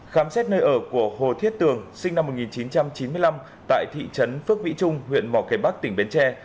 khám xét nơi ở của hồ thiết tường sinh năm một nghìn chín trăm chín mươi năm tại thị trấn phước vĩ trung huyện mỏ cây bắc tỉnh bến tre